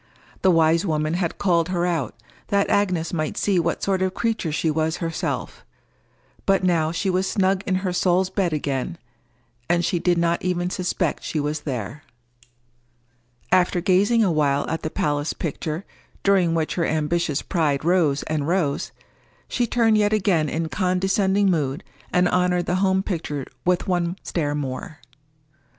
The wise woman had called her out, that Agnes might see what sort of creature she was herself; but now she was snug in her soul's bed again, and she did not even suspect she was there. After gazing a while at the palace picture, during which her ambitious pride rose and rose, she turned yet again in condescending mood, and honored the home picture with one stare more.